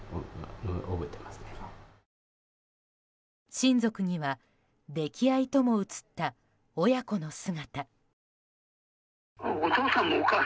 親族には溺愛とも映った親子の姿。